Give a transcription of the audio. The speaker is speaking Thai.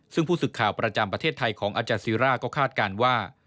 ซึ่งผู้สึกข่าวประจำประเทศไทยของอาจาซีร่าก็คาดการณ์ว่า